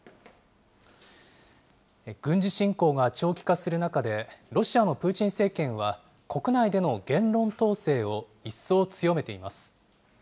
軍事侵攻が長期化する中で、ロシアのプーチン政権は、国内での言論統制を一層強めています。